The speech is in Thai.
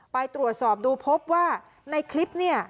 ไปตรวจสอบดูพบว่าในคลิปเนี่ย